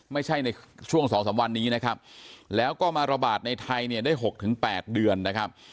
ไม่ใช่ในช่วงสองสามวันนี้นะครับแล้วก็มาระบาดในไทยเนี่ยได้หกถึงแปดเดือนนะครับ